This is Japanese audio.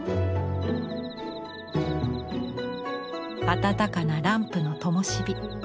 温かなランプのともし火。